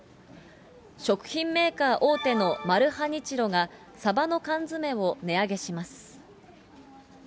食品メーカー大手のマルハニチロが、サバの缶詰を値上げします。